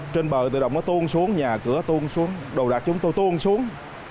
trên bờ tự động nó tuôn xuống nhà cửa tuôn xuống đồ đạc chúng tôi tuôn xuống